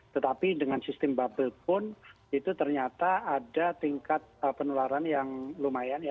tetapi dengan sistem bubble pun itu ternyata ada tingkat penularan yang lumayan ya